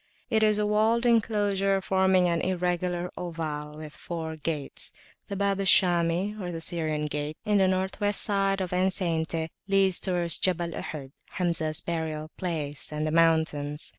It is a walled enclosure forming an irregular oval with four gates. The Bab al Shami, or " Syrian Gate," in the North West side of the enceinte, leads towards Jabal Ohod, Hamzah's burial place, and the mountains.